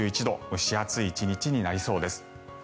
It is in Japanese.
蒸し暑い１日になりそうです。